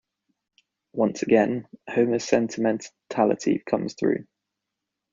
Once again, Homer's sentimentality comes through.